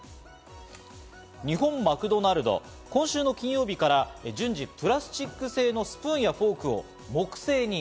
日本マクドナルド、今週の金曜日から順次プラスチック製のスプーンやフォークを木製に。